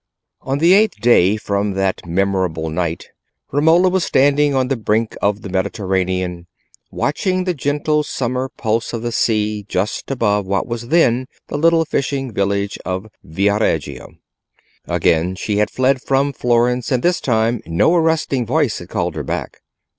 On the eighth day from that memorable night Romola was standing on the brink of the Mediterranean, watching the gentle summer pulse of the sea just above what was then the little fishing village of Viareggio. Again she had fled from Florence, and this time no arresting voice had called her back.